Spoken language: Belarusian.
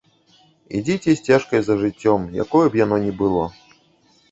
Ідзіце сцежкай за жыццём, якое б яно ні было.